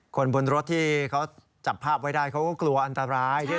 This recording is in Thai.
คนบนรถที่เขาจับภาพไว้ได้เขาก็กลัวอันตราย